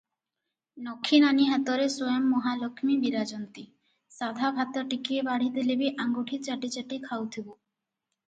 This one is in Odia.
ନଖି ନାନୀ ହାତରେ ସ୍ୱୟଂ ମହାଲକ୍ଷ୍ମୀ ବିରାଜନ୍ତି, ସାଧା ଭାତ ଟିକିଏ ବାଢ଼ିଦେଲେ ବି ଆଙ୍ଗୁଠି ଚାଟି ଚାଟି ଖାଉଥିବୁ